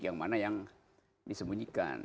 yang mana yang disembunyikan